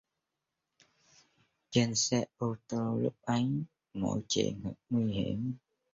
Trên xe ô tô lúc ấy mọi chuyện thật nguy hiểm